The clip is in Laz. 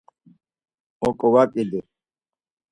Oǩovaǩidi.